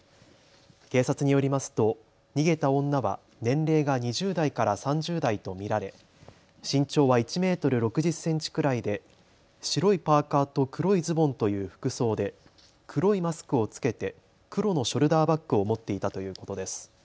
警察によりますと逃げた女は年齢が２０代から３０代と見られ身長は１メートル６０センチくらいで白いパーカーと黒いズボンという服装で黒いマスクを着けて黒のショルダーバッグを持っていたということです。